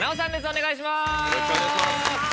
お願いします。